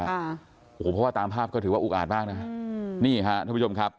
โอ้โหเพราะว่าตามภาพก็ถือว่าอุกอาจมากนะอืมนี่ฮะท่านผู้ชมครับ